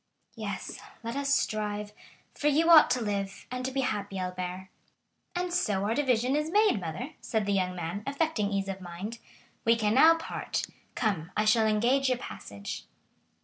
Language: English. "Yes, let us strive, for you ought to live, and to be happy, Albert." "And so our division is made, mother," said the young man, affecting ease of mind. "We can now part; come, I shall engage your passage."